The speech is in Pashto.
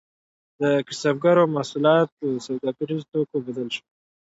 د کسبګرو محصولات په سوداګریزو توکو بدل شول.